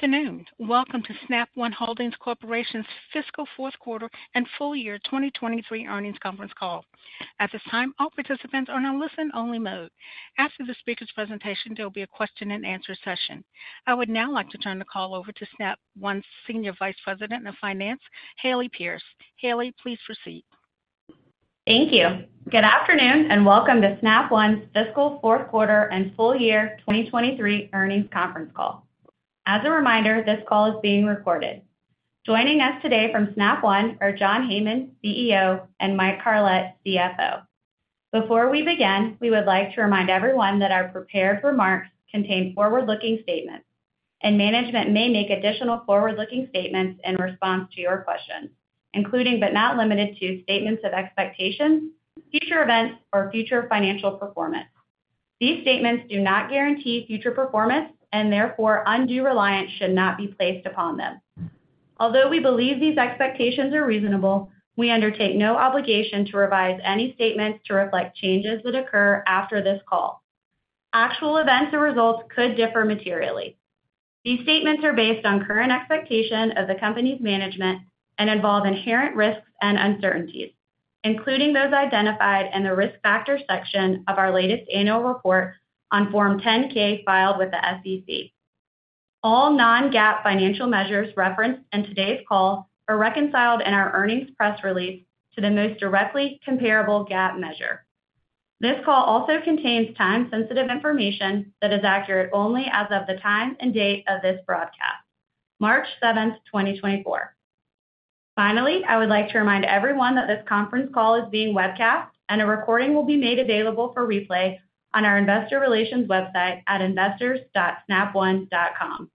Good afternoon. Welcome to Snap One Holdings Corp.'s fiscal fourth quarter and full year 2023 earnings conference call. At this time, all participants are on a listen-only mode. After the speaker's presentation, there will be a question-and-answer session. I would now like to turn the call over to Snap One's Senior Vice President of Finance, Hayley Pierce. Hayley, please proceed. Thank you. Good afternoon and welcome to Snap One's fiscal fourth quarter and full year 2023 earnings conference call. As a reminder, this call is being recorded. Joining us today from Snap One are John Heyman, CEO, and Mike Carlet, CFO. Before we begin, we would like to remind everyone that our prepared remarks contain forward-looking statements, and management may make additional forward-looking statements in response to your questions, including but not limited to statements of expectations, future events, or future financial performance. These statements do not guarantee future performance and, therefore, undue reliance should not be placed upon them. Although we believe these expectations are reasonable, we undertake no obligation to revise any statements to reflect changes that occur after this call. Actual events and results could differ materially. These statements are based on current expectations of the company's management and involve inherent risks and uncertainties, including those identified in the risk factors section of our latest annual report on Form 10-K filed with the SEC. All non-GAAP financial measures referenced in today's call are reconciled in our earnings press release to the most directly comparable GAAP measure. This call also contains time-sensitive information that is accurate only as of the time and date of this broadcast, March 7, 2024. Finally, I would like to remind everyone that this conference call is being webcast and a recording will be made available for replay on our investor relations website at investors.snapone.com.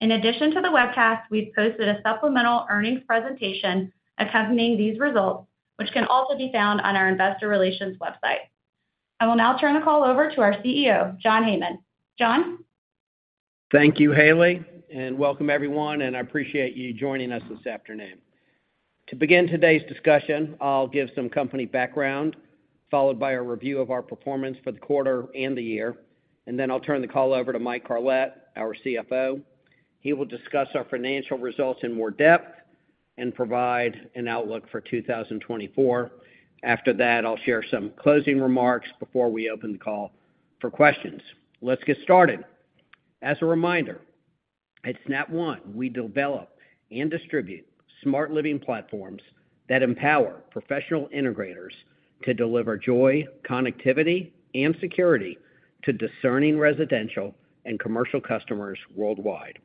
In addition to the webcast, we've posted a supplemental earnings presentation accompanying these results, which can also be found on our investor relations website. I will now turn the call over to our CEO, John Heyman. John? Thank you, Hayley, and welcome everyone, and I appreciate you joining us this afternoon. To begin today's discussion, I'll give some company background followed by a review of our performance for the quarter and the year, and then I'll turn the call over to Mike Carlet, our CFO. He will discuss our financial results in more depth and provide an outlook for 2024. After that, I'll share some closing remarks before we open the call for questions. Let's get started. As a reminder, at Snap One, we develop and distribute smart living platforms that empower professional integrators to deliver joy, connectivity, and security to discerning residential and commercial customers worldwide.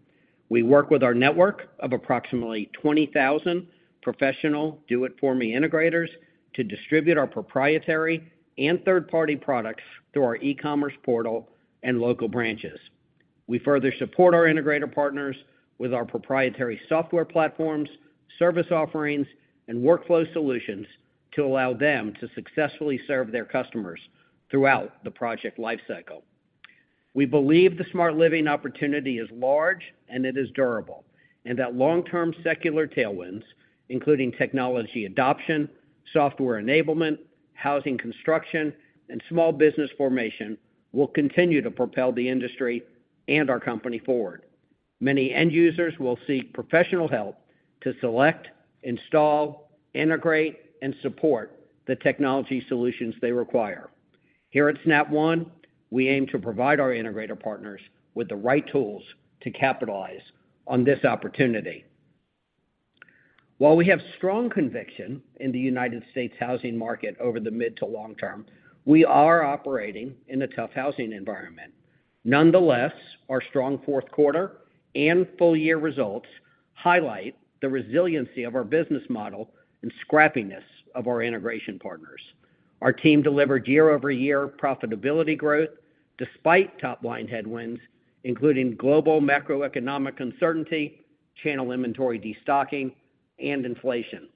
We work with our network of approximately 20,000 professional do-it-for-me integrators to distribute our proprietary and third-party products through our e-commerce portal and local branches. We further support our integrator partners with our proprietary software platforms, service offerings, and workflow solutions to allow them to successfully serve their customers throughout the project lifecycle. We believe the smart living opportunity is large and it is durable, and that long-term secular tailwinds, including technology adoption, software enablement, housing construction, and small business formation, will continue to propel the industry and our company forward. Many end users will seek professional help to select, install, integrate, and support the technology solutions they require. Here at Snap One, we aim to provide our integrator partners with the right tools to capitalize on this opportunity. While we have strong conviction in the United States housing market over the mid to long term, we are operating in a tough housing environment. Nonetheless, our strong fourth quarter and full year results highlight the resiliency of our business model and scrappiness of our integration partners. Our team delivered year-over-year profitability growth despite top-line headwinds, including global macroeconomic uncertainty, channel inventory destocking, and inflation.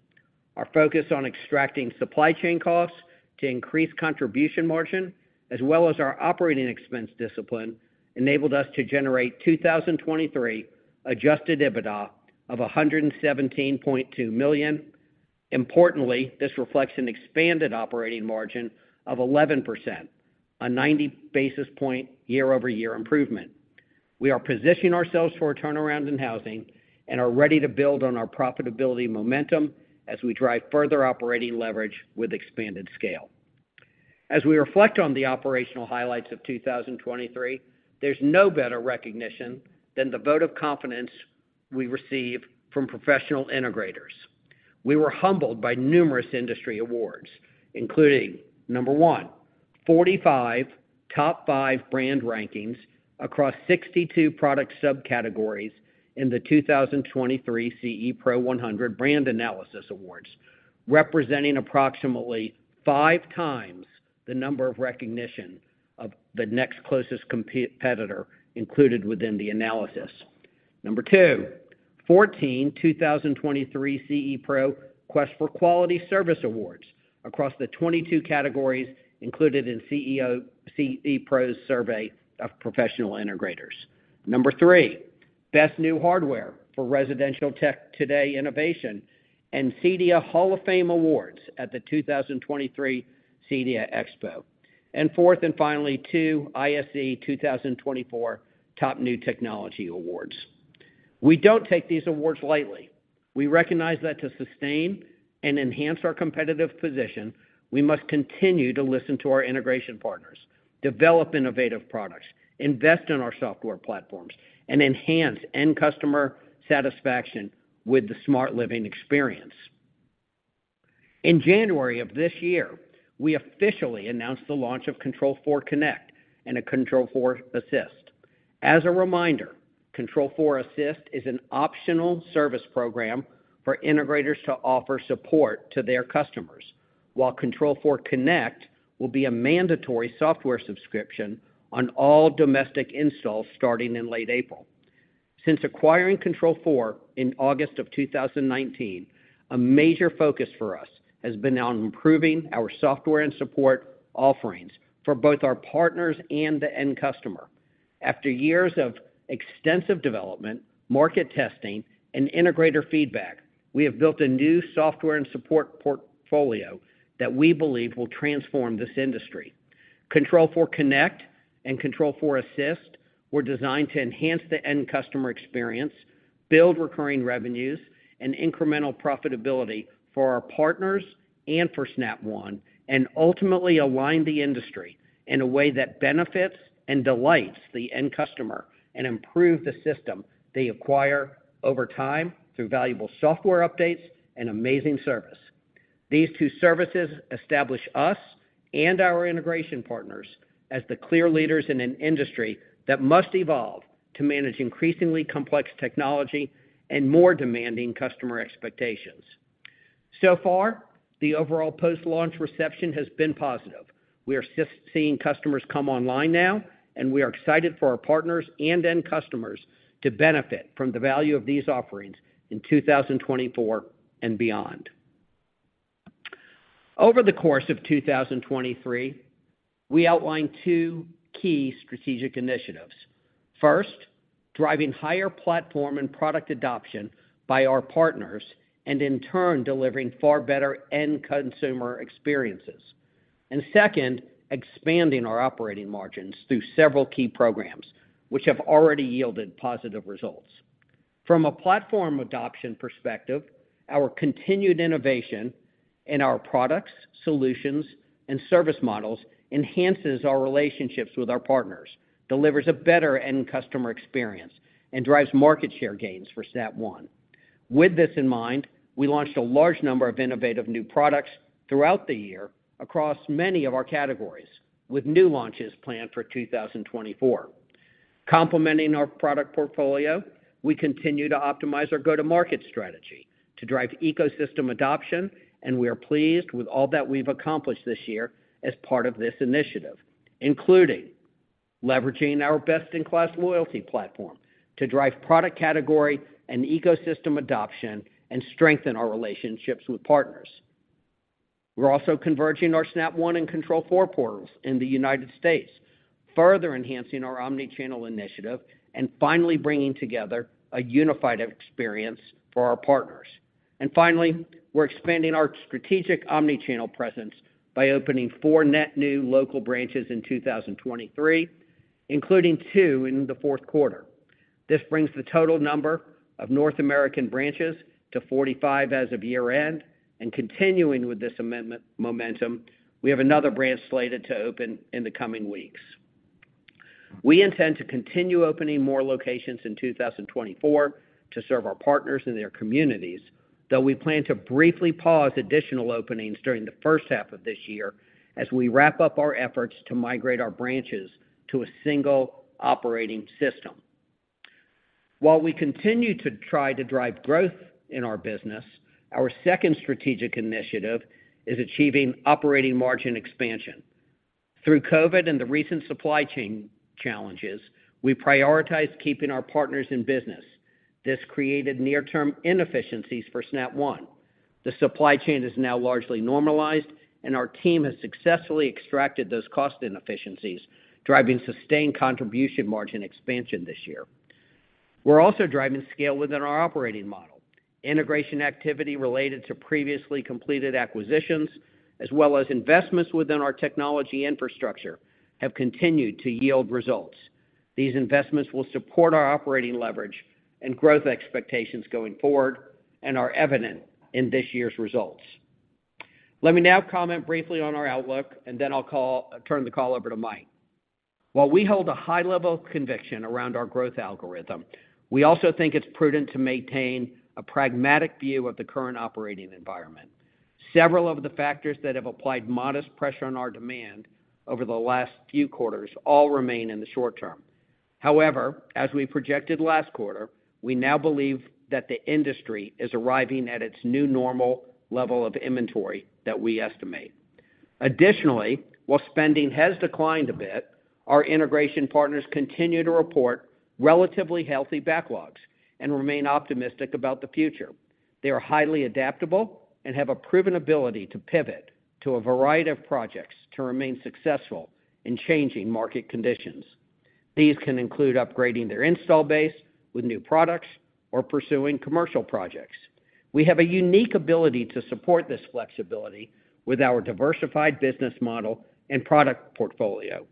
Our focus on extracting supply chain costs to increase contribution margin, as well as our operating expense discipline, enabled us to generate 2023 Adjusted EBITDA of $117.2 million. Importantly, this reflects an expanded operating margin of 11%, a 90 basis point year-over-year improvement. We are positioning ourselves for a turnaround in housing and are ready to build on our profitability momentum as we drive further operating leverage with expanded scale. As we reflect on the operational highlights of 2023, there's no better recognition than the vote of confidence we receive from professional integrators. We were humbled by numerous industry awards, including number one, 45 top five brand rankings across 62 product subcategories in the 2023 CE Pro 100 brand analysis awards, representing approximately five times the number of recognition of the next closest competitor included within the analysis. Number two, 14 2023 CE Pro Quest for Quality Service Awards across the 22 categories included in CE Pro's survey of professional integrators. Number three, Best New Hardware for Residential Tech Today Innovation and CEDIA Hall of Fame Awards at the 2023 CEDIA Expo. Fourth and finally, 2 ISE 2024 Top New Technology Awards. We don't take these awards lightly. We recognize that to sustain and enhance our competitive position, we must continue to listen to our integration partners, develop innovative products, invest in our software platforms, and enhance end customer satisfaction with the smart living experience. In January of this year, we officially announced the launch of Control4 Connect and a Control4 Assist. As a reminder, Control4 Assist is an optional service program for integrators to offer support to their customers, while Control4 Connect will be a mandatory software subscription on all domestic installs starting in late April. Since acquiring Control4 in August of 2019, a major focus for us has been on improving our software and support offerings for both our partners and the end customer. After years of extensive development, market testing, and integrator feedback, we have built a new software and support portfolio that we believe will transform this industry. Control4 Connect and Control4 Assist were designed to enhance the end customer experience, build recurring revenues, and incremental profitability for our partners and for Snap One, and ultimately align the industry in a way that benefits and delights the end customer and improves the system they acquire over time through valuable software updates and amazing service. These two services establish us and our integration partners as the clear leaders in an industry that must evolve to manage increasingly complex technology and more demanding customer expectations. So far, the overall post-launch reception has been positive. We are seeing customers come online now, and we are excited for our partners and end customers to benefit from the value of these offerings in 2024 and beyond. Over the course of 2023, we outlined two key strategic initiatives. First, driving higher platform and product adoption by our partners and in turn delivering far better end consumer experiences. And second, expanding our operating margins through several key programs, which have already yielded positive results. From a platform adoption perspective, our continued innovation in our products, solutions, and service models enhances our relationships with our partners, delivers a better end customer experience, and drives market share gains for Snap One. With this in mind, we launched a large number of innovative new products throughout the year across many of our categories with new launches planned for 2024. Complementing our product portfolio, we continue to optimize our go-to-market strategy to drive ecosystem adoption, and we are pleased with all that we've accomplished this year as part of this initiative, including leveraging our best-in-class loyalty platform to drive product category and ecosystem adoption and strengthen our relationships with partners. We're also converging our Snap One and Control4 portals in the United States, further enhancing our omnichannel initiative, and finally bringing together a unified experience for our partners. Finally, we're expanding our strategic omnichannel presence by opening four net new local branches in 2023, including two in the fourth quarter. This brings the total number of North American branches to 45 as of year-end, and continuing with this momentum, we have another branch slated to open in the coming weeks. We intend to continue opening more locations in 2024 to serve our partners and their communities, though we plan to briefly pause additional openings during the first half of this year as we wrap up our efforts to migrate our branches to a single operating system. While we continue to try to drive growth in our business, our second strategic initiative is achieving operating margin expansion. Through COVID and the recent supply chain challenges, we prioritized keeping our partners in business. This created near-term inefficiencies for Snap One. The supply chain is now largely normalized, and our team has successfully extracted those cost inefficiencies, driving sustained contribution margin expansion this year. We're also driving scale within our operating model. Integration activity related to previously completed acquisitions, as well as investments within our technology infrastructure, have continued to yield results. These investments will support our operating leverage and growth expectations going forward and are evident in this year's results. Let me now comment briefly on our outlook, and then I'll turn the call over to Mike. While we hold a high-level conviction around our growth algorithm, we also think it's prudent to maintain a pragmatic view of the current operating environment. Several of the factors that have applied modest pressure on our demand over the last few quarters all remain in the short term. However, as we projected last quarter, we now believe that the industry is arriving at its new normal level of inventory that we estimate. Additionally, while spending has declined a bit, our integration partners continue to report relatively healthy backlogs and remain optimistic about the future. They are highly adaptable and have a proven ability to pivot to a variety of projects to remain successful in changing market conditions. These can include upgrading their install base with new products or pursuing commercial projects. We have a unique ability to support this flexibility with our diversified business model and product portfolio,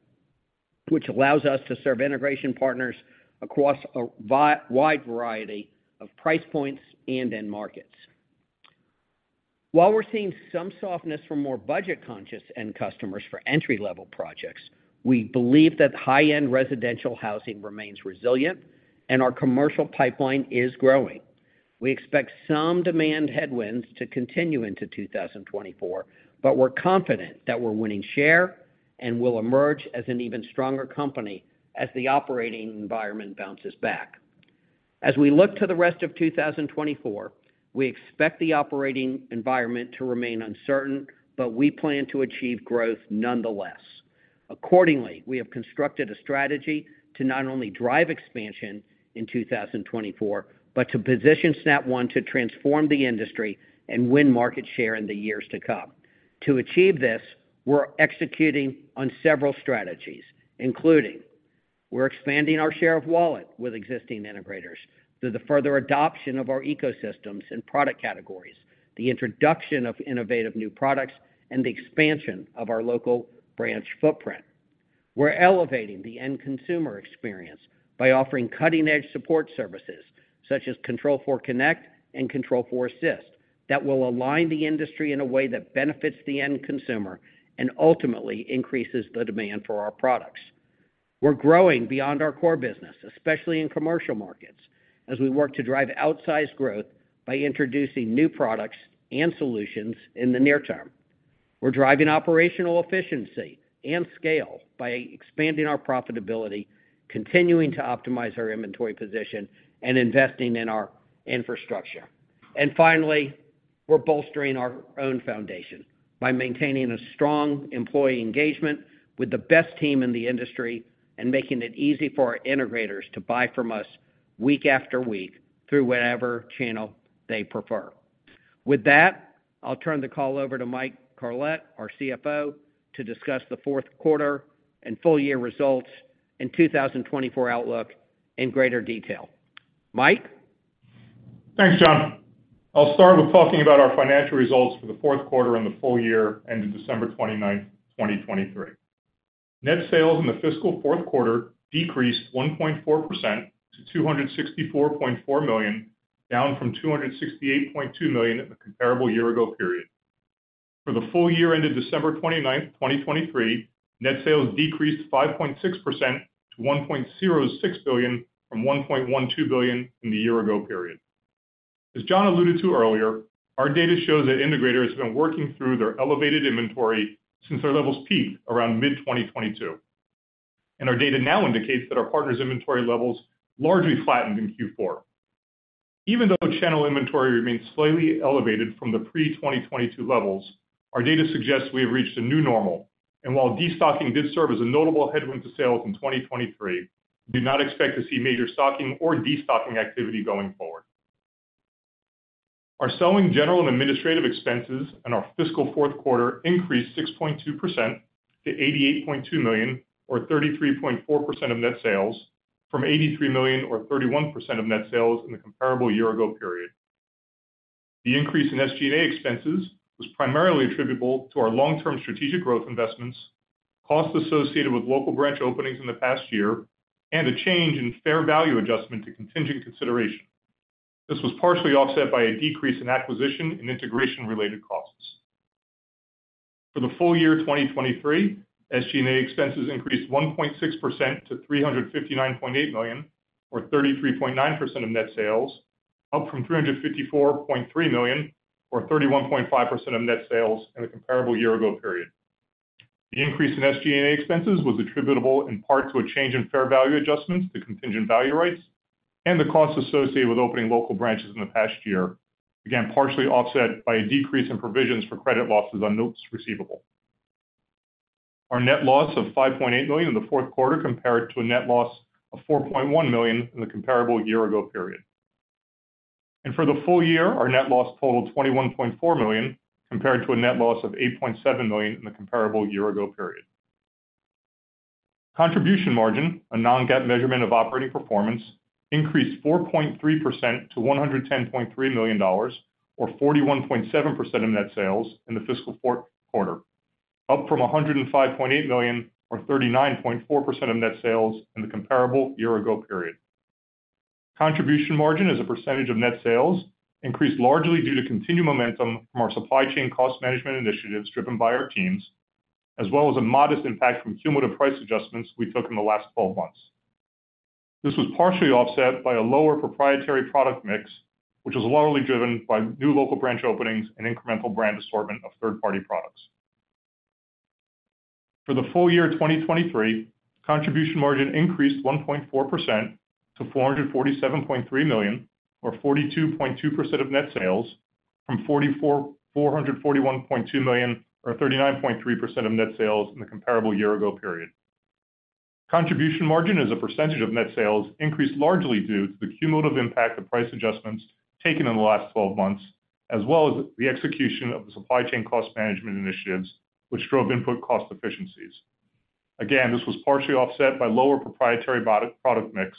which allows us to serve integration partners across a wide variety of price points and end markets. While we're seeing some softness from more budget-conscious end customers for entry-level projects, we believe that high-end residential housing remains resilient and our commercial pipeline is growing. We expect some demand headwinds to continue into 2024, but we're confident that we're winning share and will emerge as an even stronger company as the operating environment bounces back. As we look to the rest of 2024, we expect the operating environment to remain uncertain, but we plan to achieve growth nonetheless. Accordingly, we have constructed a strategy to not only drive expansion in 2024 but to position Snap One to transform the industry and win market share in the years to come. To achieve this, we're executing on several strategies, including we're expanding our share of wallet with existing integrators through the further adoption of our ecosystems and product categories, the introduction of innovative new products, and the expansion of our local branch footprint. We're elevating the end consumer experience by offering cutting-edge support services such as Control4 Connect and Control4 Assist that will align the industry in a way that benefits the end consumer and ultimately increases the demand for our products. We're growing beyond our core business, especially in commercial markets, as we work to drive outsized growth by introducing new products and solutions in the near term. We're driving operational efficiency and scale by expanding our profitability, continuing to optimize our inventory position, and investing in our infrastructure. And finally, we're bolstering our own foundation by maintaining a strong employee engagement with the best team in the industry and making it easy for our integrators to buy from us week after week through whatever channel they prefer. With that, I'll turn the call over to Mike Carlet, our CFO, to discuss the fourth quarter and full year results and 2024 outlook in greater detail. Mike? Thanks, John. I'll start with talking about our financial results for the fourth quarter and the full year ended December 29th, 2023. Net sales in the fiscal fourth quarter decreased 1.4% to $264.4 million, down from $268.2 million in the comparable year-ago period. For the full year ended December 29th, 2023, net sales decreased 5.6% to $1.06 billion from $1.12 billion in the year-ago period. As John alluded to earlier, our data shows that integrators have been working through their elevated inventory since their levels peaked around mid-2022. Our data now indicates that our partners' inventory levels largely flattened in Q4. Even though channel inventory remains slightly elevated from the pre-2022 levels, our data suggests we have reached a new normal. While destocking did serve as a notable headwind to sales in 2023, we do not expect to see major stocking or destocking activity going forward. Our selling, general, and administrative expenses in our fiscal fourth quarter increased 6.2% to $88.2 million, or 33.4% of net sales, from $83 million, or 31% of net sales in the comparable year-ago period. The increase in SG&A expenses was primarily attributable to our long-term strategic growth investments, costs associated with local branch openings in the past year, and a change in fair value adjustment to contingent consideration. This was partially offset by a decrease in acquisition and integration-related costs. For the full year 2023, SG&A expenses increased 1.6% to $359.8 million, or 33.9% of net sales, up from $354.3 million, or 31.5% of net sales in the comparable year-ago period. The increase in SG&A expenses was attributable in part to a change in fair value adjustments to contingent value rights, and the costs associated with opening local branches in the past year, again partially offset by a decrease in provisions for credit losses on notes receivable. Our net loss of $5.8 million in the fourth quarter compared to a net loss of $4.1 million in the comparable year-ago period. For the full year, our net loss totaled $21.4 million compared to a net loss of $8.7 million in the comparable year-ago period. Contribution margin, a non-GAAP measurement of operating performance, increased 4.3% to $110.3 million, or 41.7% of net sales in the fiscal fourth quarter, up from $105.8 million, or 39.4% of net sales in the comparable year-ago period. Contribution margin as a percentage of net sales increased largely due to continued momentum from our supply chain cost management initiatives driven by our teams, as well as a modest impact from cumulative price adjustments we took in the last 12 months. This was partially offset by a lower proprietary product mix, which was largely driven by new local branch openings and incremental brand assortment of third-party products. For the full year 2023, contribution margin increased 1.4% to $447.3 million, or 42.2% of net sales, from $441.2 million, or 39.3% of net sales in the comparable year-ago period. Contribution margin as a percentage of net sales increased largely due to the cumulative impact of price adjustments taken in the last 12 months, as well as the execution of the supply chain cost management initiatives, which drove input cost efficiencies. Again, this was partially offset by lower proprietary product mix.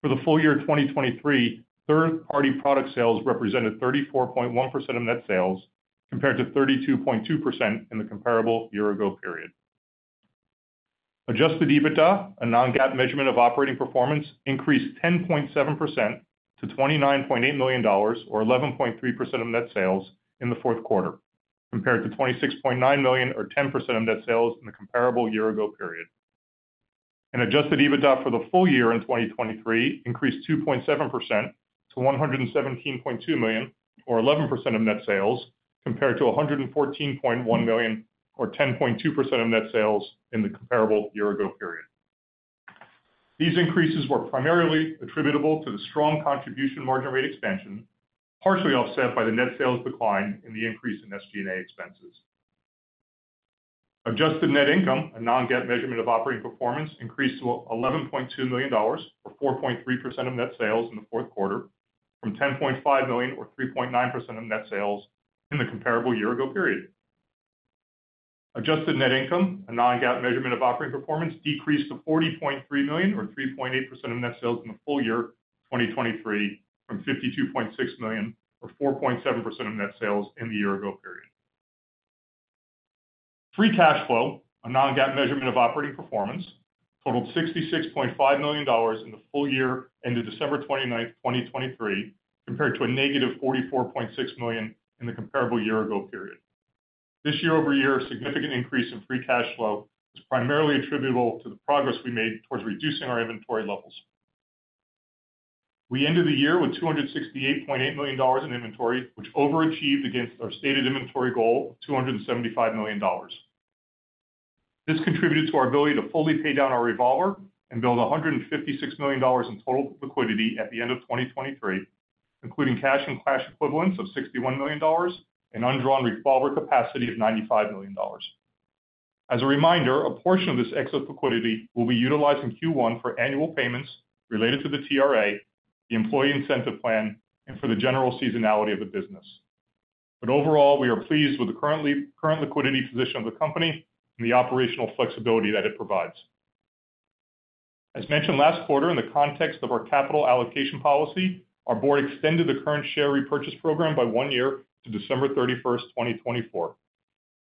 For the full year 2023, third-party product sales represented 34.1% of net sales, compared to 32.2% in the comparable year-ago period. Adjusted EBITDA, a non-GAAP measurement of operating performance, increased 10.7% to $29.8 million, or 11.3% of net sales in the fourth quarter, compared to $26.9 million, or 10% of net sales in the comparable year-ago period. Adjusted EBITDA for the full year in 2023 increased 2.7% to $117.2 million, or 11% of net sales, compared to $114.1 million, or 10.2% of net sales in the comparable year-ago period. These increases were primarily attributable to the strong contribution margin rate expansion, partially offset by the net sales decline in the increase in SG&A expenses. Adjusted net income, a non-GAAP measurement of operating performance, increased to $11.2 million, or 4.3% of net sales in the fourth quarter, from $10.5 million, or 3.9% of net sales in the comparable year-ago period. Adjusted net income, a non-GAAP measurement of operating performance, decreased to $40.3 million, or 3.8% of net sales in the full year 2023, from $52.6 million, or 4.7% of net sales in the year-ago period. Free cash flow, a non-GAAP measurement of operating performance, totaled $66.5 million in the full year ended December 29th, 2023, compared to -$44.6 million in the comparable year-ago period. This year-over-year, a significant increase in free cash flow was primarily attributable to the progress we made towards reducing our inventory levels. We ended the year with $268.8 million in inventory, which overachieved against our stated inventory goal of $275 million. This contributed to our ability to fully pay down our revolver and build $156 million in total liquidity at the end of 2023, including cash and cash equivalents of $61 million and undrawn revolver capacity of $95 million. As a reminder, a portion of this exit liquidity will be utilized in Q1 for annual payments related to the TRA, the employee incentive plan, and for the general seasonality of the business. But overall, we are pleased with the current liquidity position of the company and the operational flexibility that it provides. As mentioned last quarter, in the context of our capital allocation policy, our board extended the current share repurchase program by one year to December 31st, 2024.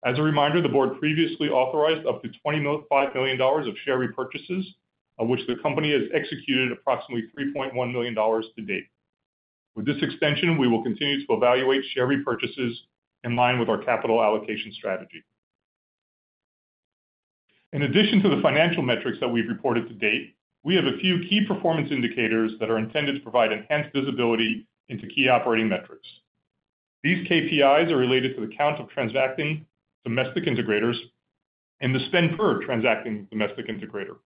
As a reminder, the board previously authorized up to $25 million of share repurchases, of which the company has executed approximately $3.1 million to date. With this extension, we will continue to evaluate share repurchases in line with our capital allocation strategy. In addition to the financial metrics that we've reported to date, we have a few key performance indicators that are intended to provide enhanced visibility into key operating metrics. These KPIs are related to the count of transacting domestic integrators and the spend per transacting domestic integrator.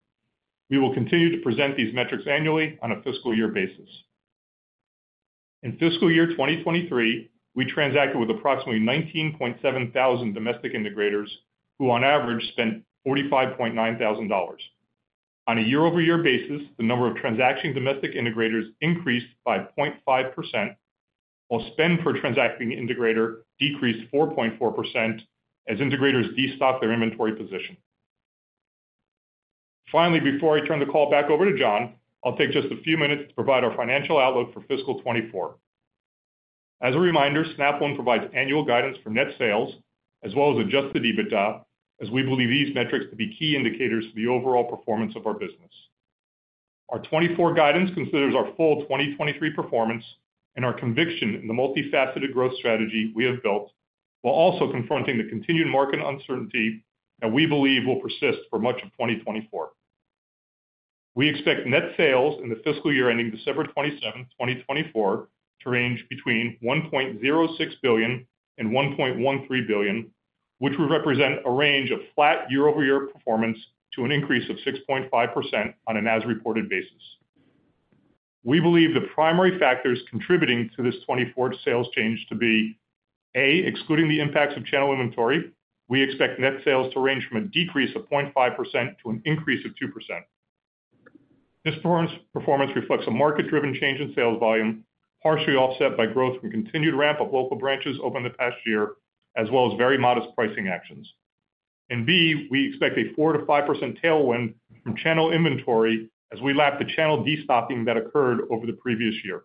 We will continue to present these metrics annually on a fiscal year basis. In fiscal year 2023, we transacted with approximately 19,700 domestic integrators who, on average, spent $45,900. On a year-over-year basis, the number of transacting domestic integrators increased by 0.5%, while spend per transacting integrator decreased 4.4% as integrators destocked their inventory position. Finally, before I turn the call back over to John, I'll take just a few minutes to provide our financial outlook for fiscal 2024. As a reminder, Snap One provides annual guidance for net sales, as well as Adjusted EBITDA, as we believe these metrics to be key indicators for the overall performance of our business. Our 2024 guidance considers our full 2023 performance and our conviction in the multifaceted growth strategy we have built, while also confronting the continued market uncertainty that we believe will persist for much of 2024. We expect net sales in the fiscal year ending December 27th, 2024, to range between $1.06 billion and $1.13 billion, which would represent a range of flat year-over-year performance to an increase of 6.5% on an as-reported basis. We believe the primary factors contributing to this 2024 sales change to be: A, excluding the impacts of channel inventory, we expect net sales to range from a decrease of 0.5% to an increase of 2%. This performance reflects a market-driven change in sales volume, partially offset by growth from continued ramp-up local branches over the past year, as well as very modest pricing actions. And B, we expect a 4%-5% tailwind from channel inventory as we lap the channel destocking that occurred over the previous year.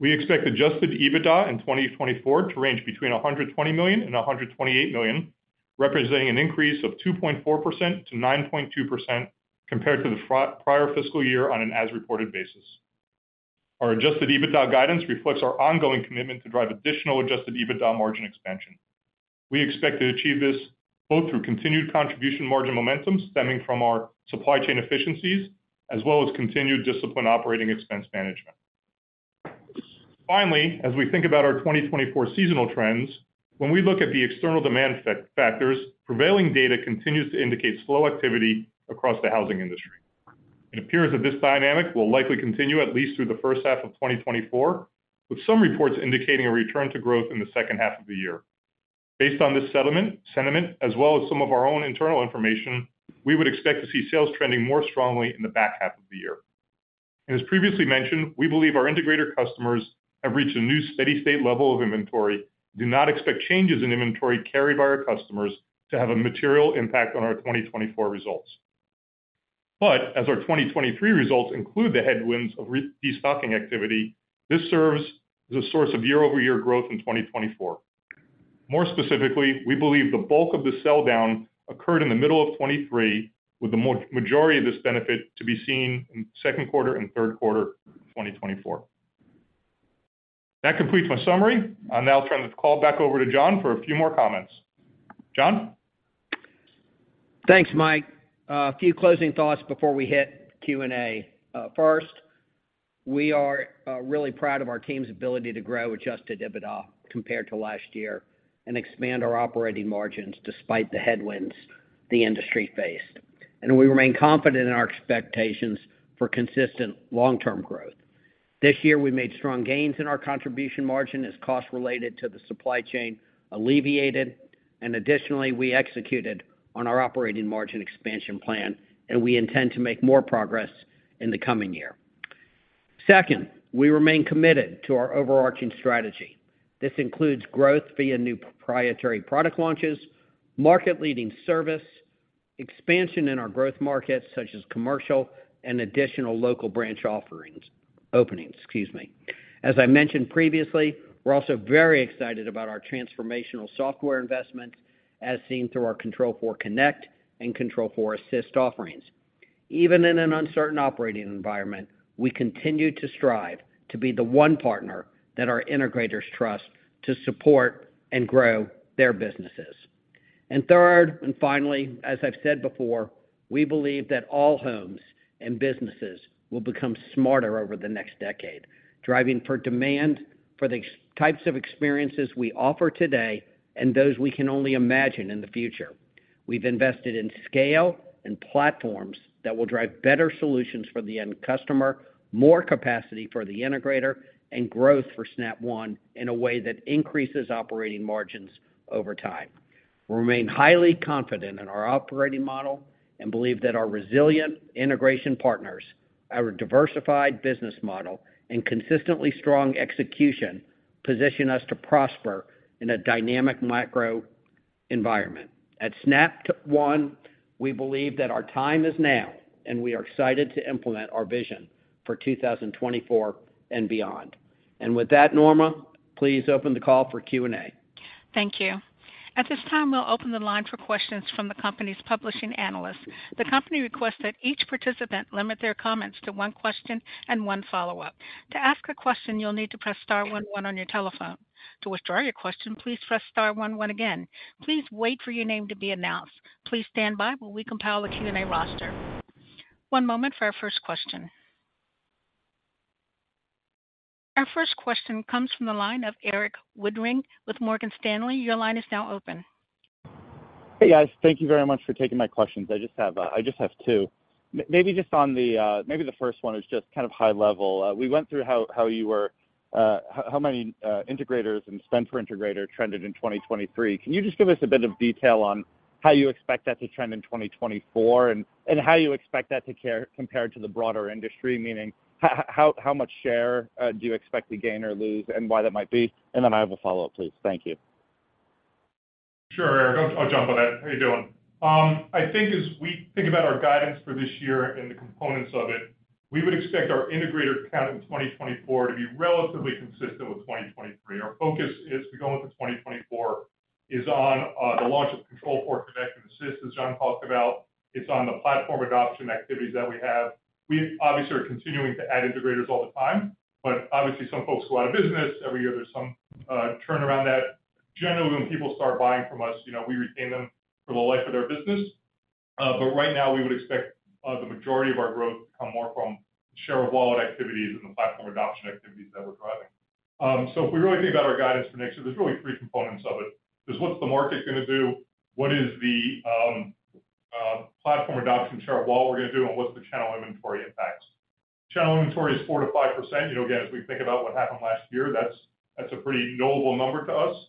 We expect adjusted EBITDA in 2024 to range between $120 million and $128 million, representing an increase of 2.4%-9.2% compared to the prior fiscal year on an as-reported basis. Our adjusted EBITDA guidance reflects our ongoing commitment to drive additional adjusted EBITDA margin expansion. We expect to achieve this both through continued contribution margin momentum stemming from our supply chain efficiencies, as well as continued discipline operating expense management. Finally, as we think about our 2024 seasonal trends, when we look at the external demand factors, prevailing data continues to indicate slow activity across the housing industry. It appears that this dynamic will likely continue at least through the first half of 2024, with some reports indicating a return to growth in the second half of the year. Based on this sentiment, as well as some of our own internal information, we would expect to see sales trending more strongly in the back half of the year. As previously mentioned, we believe our integrator customers have reached a new steady-state level of inventory and do not expect changes in inventory carried by our customers to have a material impact on our 2024 results. As our 2023 results include the headwinds of restocking activity, this serves as a source of year-over-year growth in 2024. More specifically, we believe the bulk of the sell-down occurred in the middle of 2023, with the majority of this benefit to be seen in second quarter and third quarter of 2024. That completes my summary. I'll now turn the call back over to John for a few more comments. John? Thanks, Mike. A few closing thoughts before we hit Q&A. First, we are really proud of our team's ability to grow Adjusted EBITDA compared to last year and expand our operating margins despite the headwinds the industry faced. We remain confident in our expectations for consistent long-term growth. This year, we made strong gains in our contribution margin as costs related to the supply chain alleviated. Additionally, we executed on our operating margin expansion plan, and we intend to make more progress in the coming year. Second, we remain committed to our overarching strategy. This includes growth via new proprietary product launches, market-leading service, expansion in our growth markets such as commercial, and additional local branch openings. As I mentioned previously, we're also very excited about our transformational software investments, as seen through our Control4 Connect and Control4 Assist offerings. Even in an uncertain operating environment, we continue to strive to be the one partner that our integrators trust to support and grow their businesses. And third, and finally, as I've said before, we believe that all homes and businesses will become smarter over the next decade, driving for demand for the types of experiences we offer today and those we can only imagine in the future. We've invested in scale and platforms that will drive better solutions for the end customer, more capacity for the integrator, and growth for Snap One in a way that increases operating margins over time. We remain highly confident in our operating model and believe that our resilient integration partners, our diversified business model, and consistently strong execution position us to prosper in a dynamic macro environment. At Snap One, we believe that our time is now, and we are excited to implement our vision for 2024 and beyond. With that, Norma, please open the call for Q&A. Thank you. At this time, we'll open the line for questions from the company's participating analysts. The company requests that each participant limit their comments to one question and one follow-up. To ask a question, you'll need to press star one one on your telephone. To withdraw your question, please press star one one again. Please wait for your name to be announced. Please stand by while we compile the Q&A roster. One moment for our first question. Our first question comes from the line of Eric Woodring with Morgan Stanley. Your line is now open. Hey, guys. Thank you very much for taking my questions. I just have two. Maybe just on the first one is just kind of high-level. We went through how you were how many integrators and spend per integrator trended in 2023? Can you just give us a bit of detail on how you expect that to trend in 2024 and how you expect that to compare to the broader industry, meaning how much share do you expect to gain or lose and why that might be? And then I have a follow-up, please. Thank you. Sure, Eric. I'll jump on that. How are you doing? I think as we think about our guidance for this year and the components of it, we would expect our integrator count in 2024 to be relatively consistent with 2023. Our focus as we go into 2024 is on the launch of Control4 Connect and Assist, as John talked about. It's on the platform adoption activities that we have. We obviously are continuing to add integrators all the time, but obviously, some folks go out of business. Every year, there's some turnaround that generally, when people start buying from us, we retain them for the life of their business. But right now, we would expect the majority of our growth to come more from share of wallet activities and the platform adoption activities that we're driving. So if we really think about our guidance for next year, there's really three components of it. There's what's the market going to do, what is the platform adoption share of wallet we're going to do, and what's the channel inventory impacts. Channel inventory is 4%-5%. Again, as we think about what happened last year, that's a pretty notable number to us.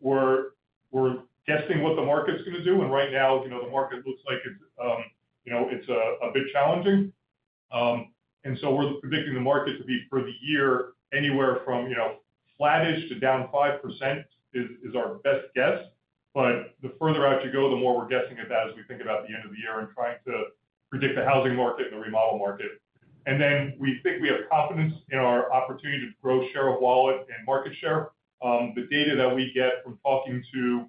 We're guessing what the market's going to do. Right now, the market looks like it's a bit challenging. So we're predicting the market to be for the year anywhere from flattish to down 5% is our best guess. But the further out you go, the more we're guessing at that as we think about the end of the year and trying to predict the housing market and the remodel market. Then we think we have confidence in our opportunity to grow share of wallet and market share. The data that we get from talking to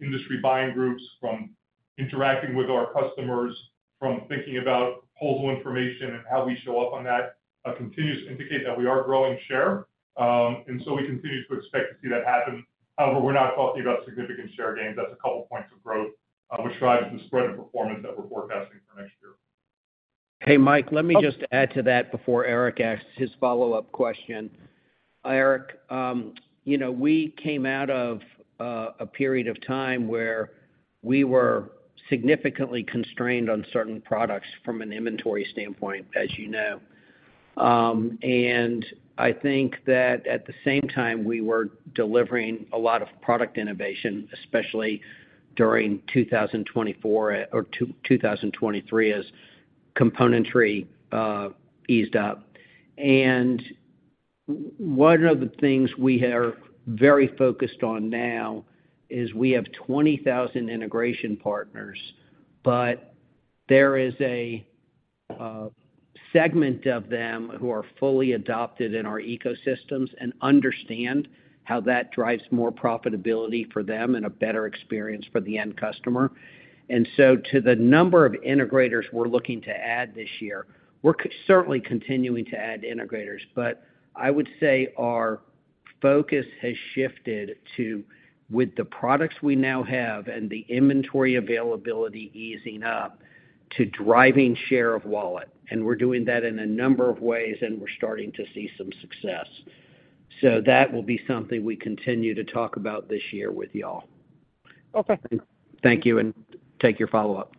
industry buying groups, from interacting with our customers, from thinking about proposal information and how we show up on that continues to indicate that we are growing share. So we continue to expect to see that happen. However, we're not talking about significant share gains. That's a couple of points of growth, which drives the spread of performance that we're forecasting for next year. Hey, Mike, let me just add to that before Eric asks his follow-up question. Eric, we came out of a period of time where we were significantly constrained on certain products from an inventory standpoint, as you know. And I think that at the same time, we were delivering a lot of product innovation, especially during 2024 or 2023 as componentry eased up. And one of the things we are very focused on now is we have 20,000 integration partners, but there is a segment of them who are fully adopted in our ecosystems and understand how that drives more profitability for them and a better experience for the end customer. And so to the number of integrators we're looking to add this year, we're certainly continuing to add integrators. But I would say our focus has shifted to, with the products we now have and the inventory availability easing up, to driving share of wallet. And we're doing that in a number of ways, and we're starting to see some success. So that will be something we continue to talk about this year with y'all. Thank you, and take your follow-up.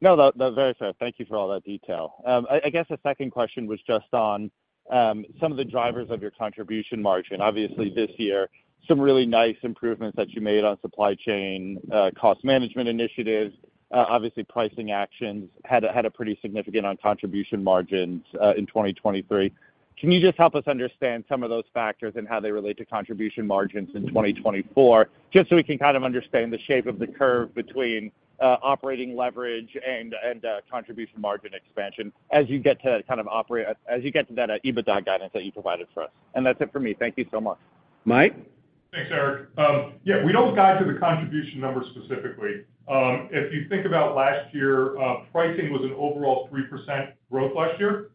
No, that's very fair. Thank you for all that detail. I guess the second question was just on some of the drivers of your contribution margin. Obviously, this year, some really nice improvements that you made on supply chain cost management initiatives. Obviously, pricing actions had a pretty significant impact on contribution margins in 2023. Can you just help us understand some of those factors and how they relate to contribution margins in 2024, just so we can kind of understand the shape of the curve between operating leverage and contribution margin expansion as you get to that kind of as you get to that EBITDA guidance that you provided for us? And that's it for me. Thank you so much. Mike? Thanks, Eric. Yeah, we don't guide to the contribution number specifically. If you think about last year, pricing was an overall 3% growth last year,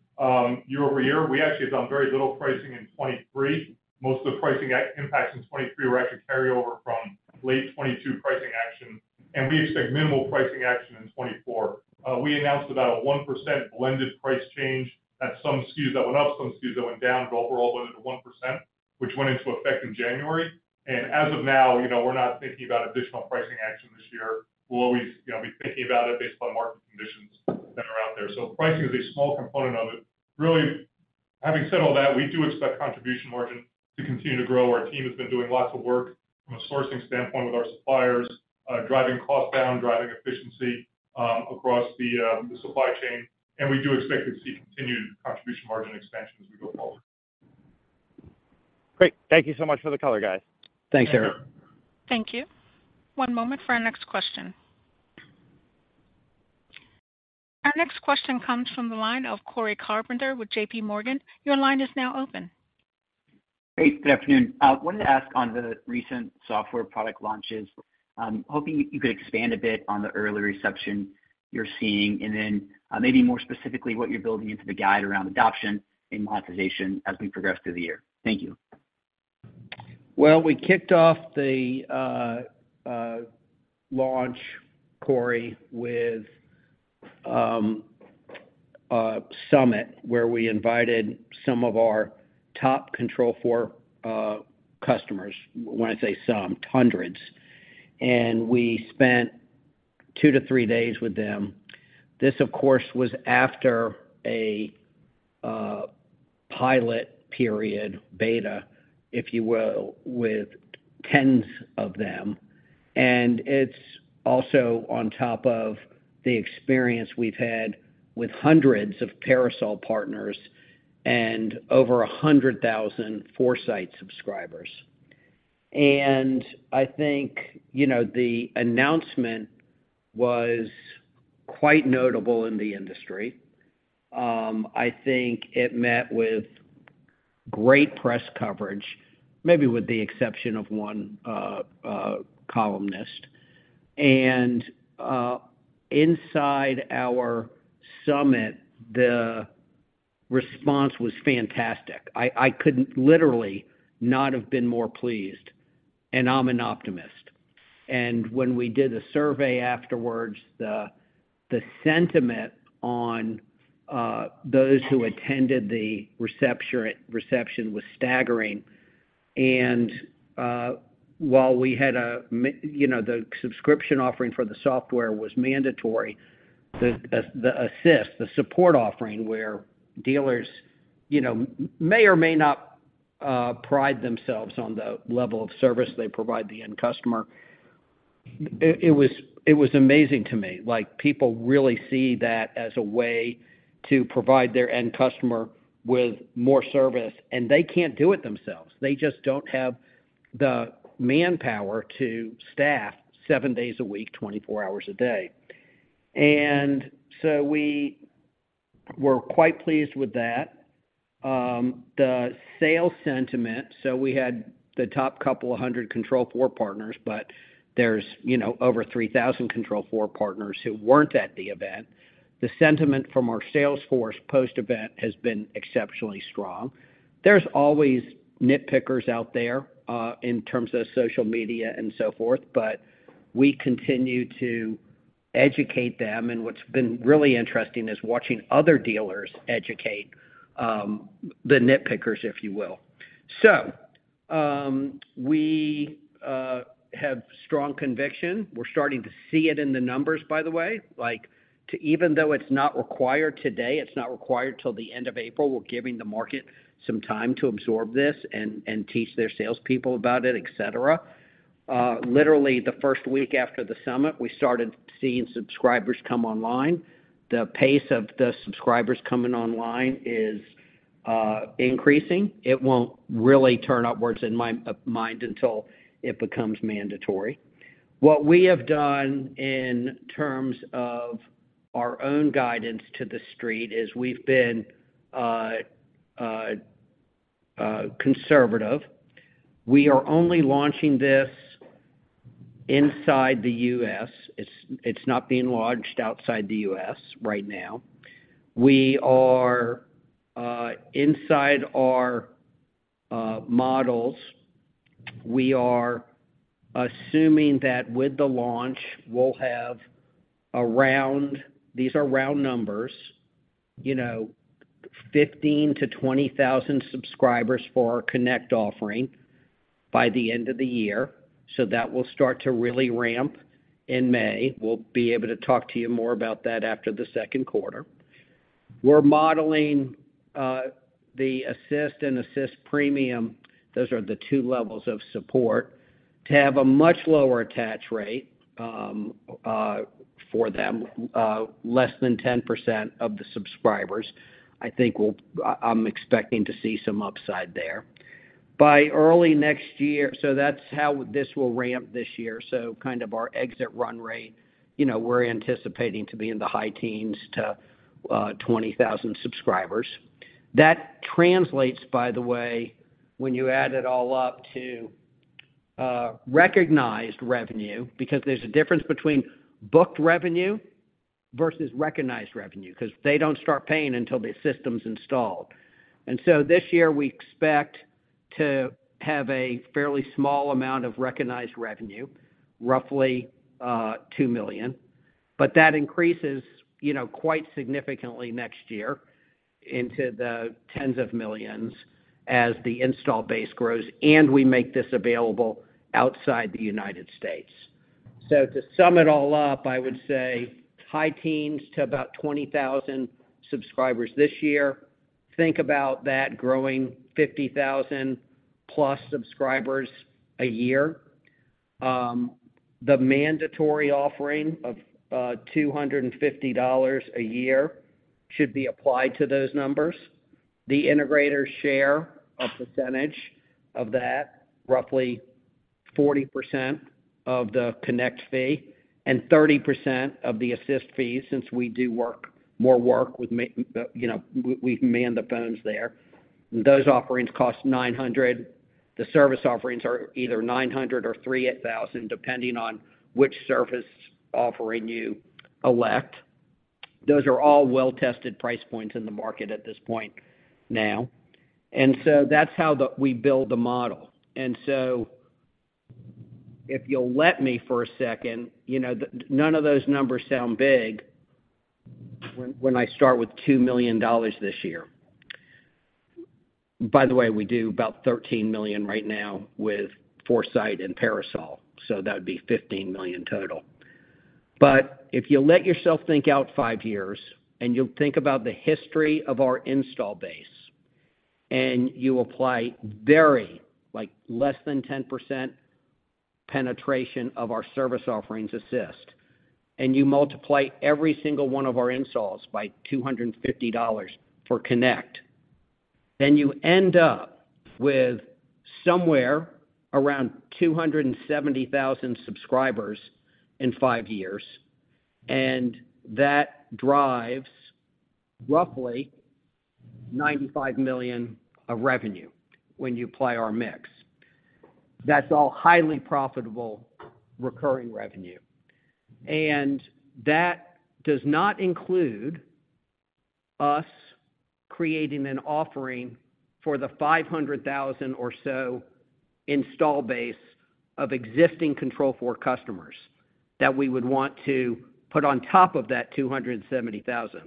year-over-year. We actually have done very little pricing in 2023. Most of the pricing impacts in 2023 were actually carryover from late 2022 pricing action. And we expect minimal pricing action in 2024. We announced about a 1% blended price change. That's some SKUs that went up, some SKUs that went down. But overall, it went into 1%, which went into effect in January. And as of now, we're not thinking about additional pricing action this year. We'll always be thinking about it based on market conditions that are out there. So pricing is a small component of it. Really, having said all that, we do expect contribution margin to continue to grow. Our team has been doing lots of work from a sourcing standpoint with our suppliers, driving cost down, driving efficiency across the supply chain. And we do expect to see continued contribution margin expansion as we go forward. Great. Thank you so much for the color, guys. Thanks, Eric. Thank you. One moment for our next question. Our next question comes from the line of Cory Carpenter with JPMorgan. Your line is now open. Hey, good afternoon. I wanted to ask on the recent software product launches. Hoping you could expand a bit on the early reception you're seeing, and then maybe more specifically what you're building into the guide around adoption and monetization as we progress through the year. Thank you. Well, we kicked off the launch, Corey, with a summit where we invited some of our top Control4 customers. When I say some, hundreds. And we spent two-three days with them. This, of course, was after a pilot period, beta, if you will, with tens of them. And it's also on top of the experience we've had with hundreds of Parasol partners and over 100,000 4Sight subscribers. And I think the announcement was quite notable in the industry. I think it met with great press coverage, maybe with the exception of one columnist. And inside our summit, the response was fantastic. I could literally not have been more pleased. I'm an optimist. When we did the survey afterwards, the sentiment on those who attended the reception was staggering. While we had the subscription offering for the software was mandatory, the Assist, the support offering, where dealers may or may not pride themselves on the level of service they provide the end customer, it was amazing to me. People really see that as a way to provide their end customer with more service. They can't do it themselves. They just don't have the manpower to staff seven days a week, 24 hours a day. So we were quite pleased with that. The sales sentiment. So we had the top couple of 100 Control4 partners, but there's over 3,000 Control4 partners who weren't at the event. The sentiment from our sales force post-event has been exceptionally strong. There's always nitpickers out there in terms of social media and so forth, but we continue to educate them. And what's been really interesting is watching other dealers educate the nitpickers, if you will. So we have strong conviction. We're starting to see it in the numbers, by the way. Even though it's not required today, it's not required till the end of April. We're giving the market some time to absorb this and teach their salespeople about it, etc. Literally, the first week after the summit, we started seeing subscribers come online. The pace of the subscribers coming online is increasing. It won't really turn upwards, in my mind, until it becomes mandatory. What we have done in terms of our own guidance to the street is we've been conservative. We are only launching this inside the U.S. It's not being launched outside the U.S. right now. Inside our models, we are assuming that with the launch, we'll have around these are round numbers, 15,000-20,000 subscribers for our Connect offering by the end of the year. So that will start to really ramp in May. We'll be able to talk to you more about that after the second quarter. We're modeling the Assist and Assist Premium - those are the two levels of support - to have a much lower attach rate for them, less than 10% of the subscribers. I think I'm expecting to see some upside there. By early next year so that's how this will ramp this year. So kind of our exit run rate, we're anticipating to be in the high teens to 20,000 subscribers. That translates, by the way, when you add it all up, to recognized revenue because there's a difference between booked revenue versus recognized revenue because they don't start paying until the system's installed. And so this year, we expect to have a fairly small amount of recognized revenue, roughly $2 million. But that increases quite significantly next year into the tens of millions as the install base grows. And we make this available outside the United States. So to sum it all up, I would say high teens to about 20,000 subscribers this year. Think about that growing 50,000-plus subscribers a year. The mandatory offering of $250 a year should be applied to those numbers. The integrator share, a percentage of that, roughly 40% of the Connect fee and 30% of the Assist fees since we do more work with, we man the phones there. Those offerings cost $900. The service offerings are either $900 or $3,000, depending on which service offering you elect. Those are all well-tested price points in the market at this point now. That's how we build the model. If you'll let me for a second, none of those numbers sound big when I start with $2 million this year. By the way, we do about $13 million right now with 4Sight and Parasol. That would be $15 million total. But if you let yourself think out five years, and you'll think about the history of our install base, and you apply less than 10% penetration of our service offerings, Assist, and you multiply every single one of our installs by $250 for Connect, then you end up with somewhere around 270,000 subscribers in five years. That drives roughly $95 million of revenue when you apply our mix. That's all highly profitable recurring revenue. That does not include us creating an offering for the 500,000 or so installed base of existing Control4 customers that we would want to put on top of that 270,000.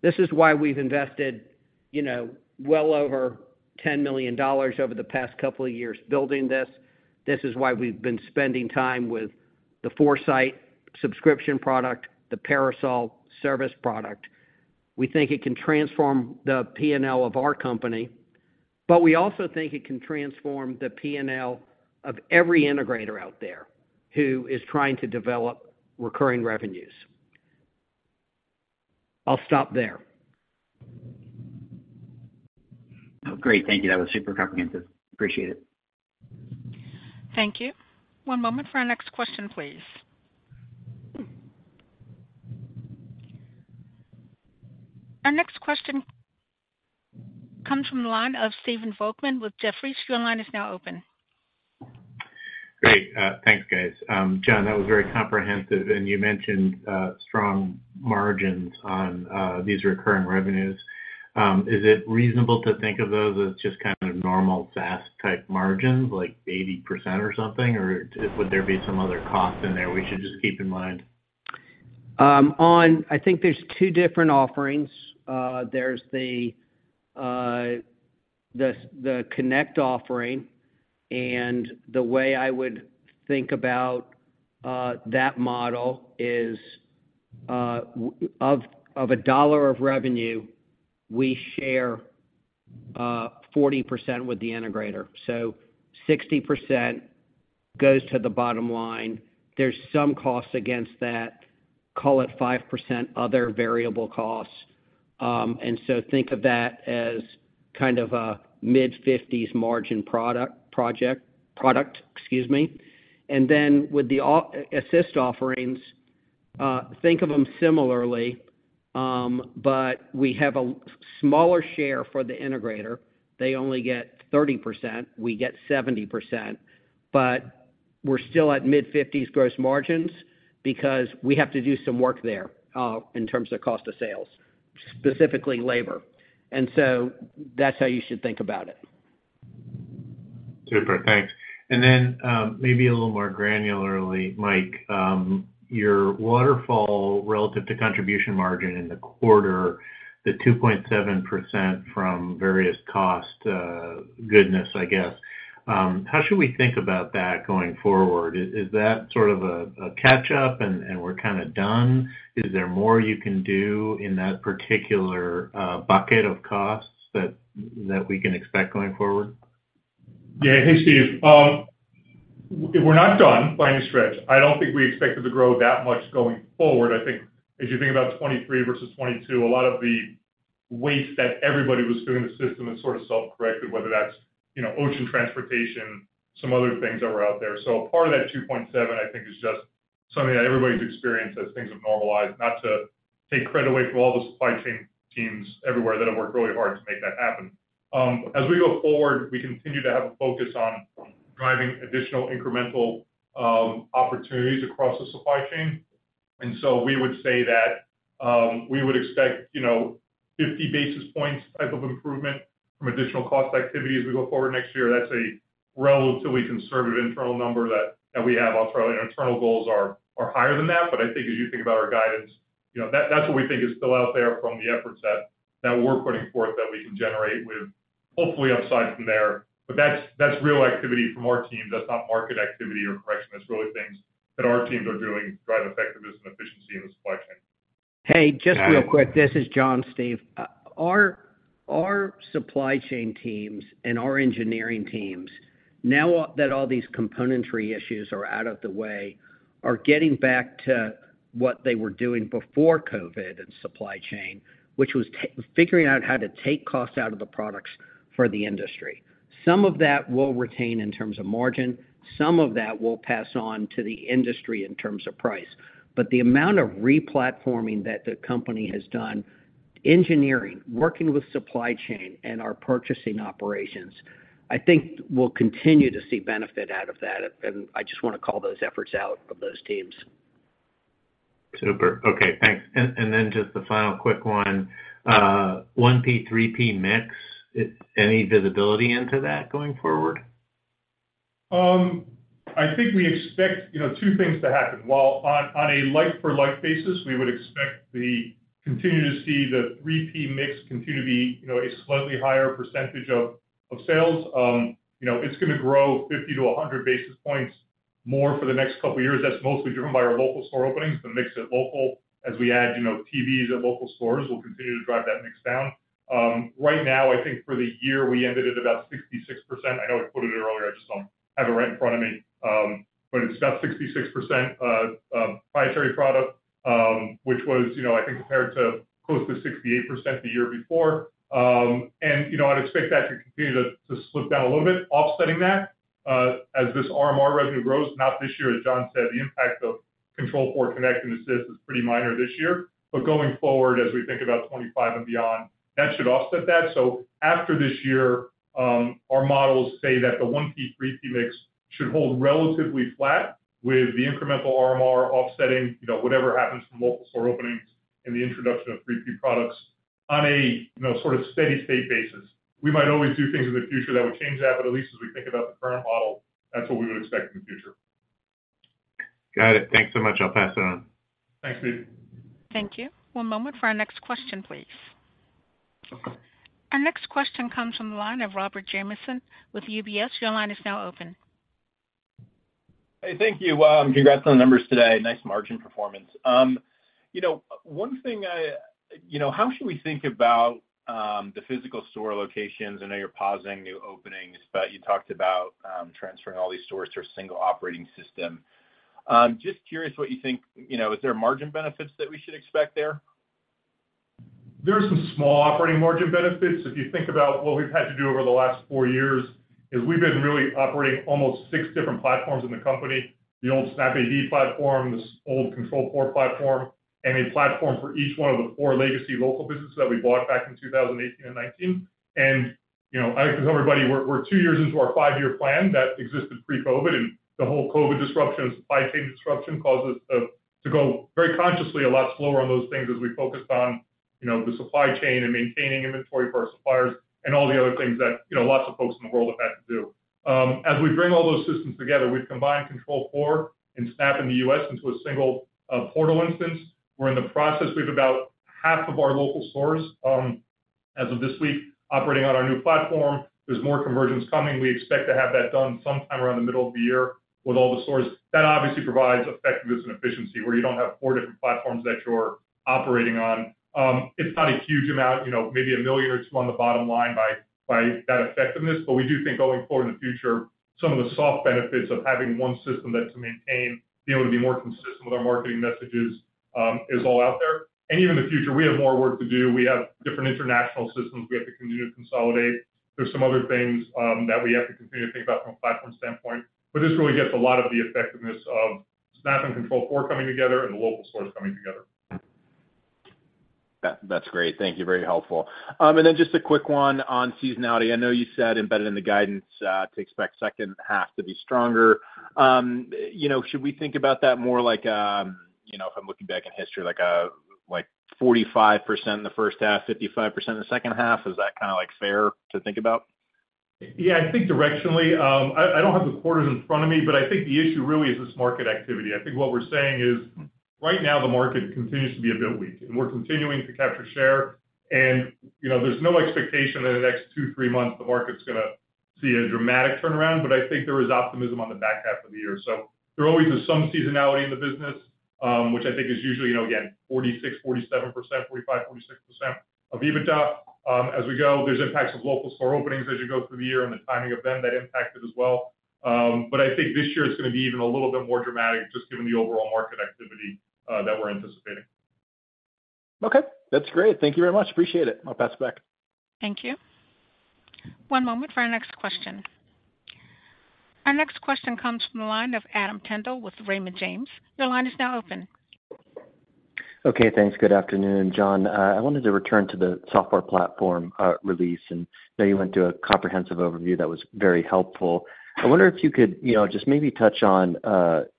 This is why we've invested well over $10 million over the past couple of years building this. This is why we've been spending time with the 4Sight subscription product, the Parasol service product. We think it can transform the P&L of our company. We also think it can transform the P&L of every integrator out there who is trying to develop recurring revenues. I'll stop there. Great. Thank you. That was super comprehensive. Appreciate it. Thank you. One moment for our next question, please. Our next question comes from the line of Stephen Volkmann with Jefferies. Your line is now open. Great. Thanks, guys. John, that was very comprehensive. You mentioned strong margins on these recurring revenues. Is it reasonable to think of those as just kind of normal SaaS-type margins, like 80% or something? Or would there be some other cost in there we should just keep in mind? I think there's two different offerings. There's the Connect offering. The way I would think about that model is, of a dollar of revenue, we share 40% with the integrator. So 60% goes to the bottom line. There's some cost against that, call it 5% other variable costs. And so think of that as kind of a mid-50s margin product, excuse me. And then with the Assist offerings, think of them similarly. But we have a smaller share for the integrator. They only get 30%. We get 70%. But we're still at mid-50s% gross margins because we have to do some work there in terms of cost of sales, specifically labor. And so that's how you should think about it. Super. Thanks. And then maybe a little more granularly, Mike, your waterfall relative to contribution margin in the quarter, the 2.7% from various cost goodness, I guess, how should we think about that going forward? Is that sort of a catch-up, and we're kind of done? Is there more you can do in that particular bucket of costs that we can expect going forward? Yeah. Hey, Steve. We're not done by any stretch. I don't think we expect it to grow that much going forward. I think as you think about 2023 versus 2022, a lot of the waste that everybody was doing the system has sort of self-corrected, whether that's ocean transportation, some other things that were out there. So part of that 2.7%, I think, is just something that everybody's experienced as things have normalized, not to take credit away from all the supply chain teams everywhere that have worked really hard to make that happen. As we go forward, we continue to have a focus on driving additional incremental opportunities across the supply chain. And so we would say that we would expect 50 basis points type of improvement from additional cost activities as we go forward next year. That's a relatively conservative internal number that we have. Our internal goals are higher than that. But I think as you think about our guidance, that's what we think is still out there from the efforts that we're putting forth that we can generate with hopefully upside from there. But that's real activity from our teams. That's not market activity or correction. That's really things that our teams are doing to drive effectiveness and efficiency in the supply chain. Hey, just real quick. This is John, Steve. Our supply chain teams and our engineering teams, now that all these componentry issues are out of the way, are getting back to what they were doing before COVID in supply chain, which was figuring out how to take costs out of the products for the industry. Some of that will retain in terms of margin. Some of that will pass on to the industry in terms of price. But the amount of replatforming that the company has done, engineering, working with supply chain, and our purchasing operations, I think we'll continue to see benefit out of that. And I just want to call those efforts out of those teams. Super. Okay. Thanks. And then just the final quick one, 1P, 3P mix, any visibility into that going forward? I think we expect two things to happen. While on a like-for-like basis, we would expect to continue to see the 3P mix continue to be a slightly higher percentage of sales, it's going to grow 50-100 basis points more for the next couple of years. That's mostly driven by our local store openings. The mix at local, as we add TVs at local stores, will continue to drive that mix down. Right now, I think for the year, we ended at about 66%. I know I put it earlier. I just don't have it right in front of me. But it's about 66% proprietary product, which was, I think, compared to close to 68% the year before. I'd expect that to continue to slip down a little bit, offsetting that as this RMR revenue grows. Not this year, as John said. The impact of Control4 Connect and Assist is pretty minor this year. But going forward, as we think about 2025 and beyond, that should offset that. So after this year, our models say that the 1P, 3P mix should hold relatively flat with the incremental RMR offsetting whatever happens from local store openings and the introduction of 3P products on a sort of steady-state basis. We might always do things in the future that would change that. But at least as we think about the current model, that's what we would expect in the future. Got it. Thanks so much. I'll pass it on. Thanks, Steve. Thank you. One moment for our next question, please. Our next question comes from the line of Robert Jamieson with UBS. Your line is now open. Hey, thank you. Congrats on the numbers today. Nice margin performance. One thing, how should we think about the physical store locations? I know you're pausing new openings, but you talked about transferring all these stores to a single operating system. Just curious what you think. Is there margin benefits that we should expect there? There are some small operating margin benefits. If you think about what we've had to do over the last four years, is we've been really operating almost 6 different platforms in the company, the old SnapAV platform, this old Control4 platform, and a platform for each one of the four legacy local businesses that we bought back in 2018 and 2019. I like to tell everybody, we're two years into our five year plan that existed pre-COVID. The whole COVID disruption, supply chain disruption, caused us to go very consciously a lot slower on those things as we focused on the supply chain and maintaining inventory for our suppliers and all the other things that lots of folks in the world have had to do. As we bring all those systems together, we've combined Control4 and Snap in the U.S. into a single portal instance. We're in the process. We have about half of our local stores as of this week operating on our new platform. There's more conversions coming. We expect to have that done sometime around the middle of the year with all the stores. That obviously provides effectiveness and efficiency where you don't have four different platforms that you're operating on. It's not a huge amount, maybe $1 million or $2 million on the bottom line by that effectiveness. But we do think going forward in the future, some of the soft benefits of having one system to maintain, being able to be more consistent with our marketing messages is all out there. And even in the future, we have more work to do. We have different international systems. We have to continue to consolidate. There's some other things that we have to continue to think about from a platform standpoint. But this really gets a lot of the effectiveness of Snap and Control4 coming together and the local stores coming together. That's great. Thank you. Very helpful. And then just a quick one on seasonality. I know you said embedded in the guidance to expect second half to be stronger. Should we think about that more like if I'm looking back in history, like 45% in the first half, 55% in the second half? Is that kind of fair to think about? Yeah. I think directionally, I don't have the quarters in front of me. But I think the issue really is this market activity. I think what we're saying is, right now, the market continues to be a bit weak. And we're continuing to capture share. And there's no expectation that in the next two, three months, the market's going to see a dramatic turnaround. But I think there is optimism on the back half of the year. So there always is some seasonality in the business, which I think is usually, again, 46%-47%, 45%-46% of EBITDA as we go. There's impacts of local store openings as you go through the year and the timing of them that impact it as well. But I think this year, it's going to be even a little bit more dramatic just given the overall market activity that we're anticipating. Okay. That's great. Thank you very much. Appreciate it. I'll pass it back. Thank you. One moment for our next question. Our next question comes from the line of Adam Tindle with Raymond James. Your line is now open. Okay. Thanks. Good afternoon, John. I wanted to return to the software platform release. I know you went through a comprehensive overview that was very helpful. I wonder if you could just maybe touch on